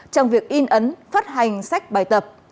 trong việc in ấn phát hành sách bài tập